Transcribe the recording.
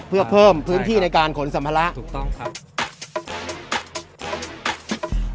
เพื่อเพิ่มพื้นที่ในการขนสัมภาระถูกต้องครับ